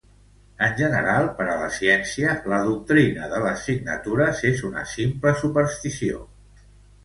En general per a la ciència la doctrina de les signatures és una simple superstició.